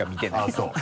あぁそう。